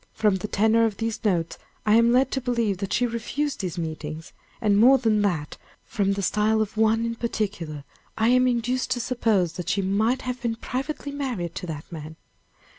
From the tenor of these notes, I am led to believe that she refused these meetings; and, more than that, from the style of one in particular I am induced to suppose that she might have been privately married to that man.